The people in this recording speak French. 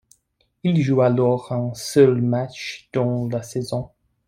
Il joue alors un seul match dans la saison.